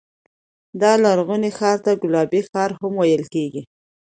دا لرغونی ښار ته ګلابي ښار هم ویل کېږي.